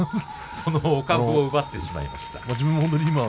そのお株を奪ってしまいました。